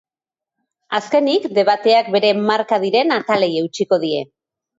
Azkenik, debateak bere marka diren atalei eutsiko die.